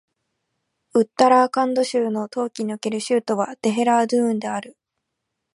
ウッタラーカンド州の冬季における州都はデヘラードゥーンである